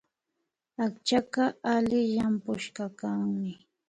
Akchaka alli llampushkami